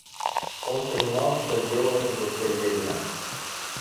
Он понимал, что делалось в душе Левина.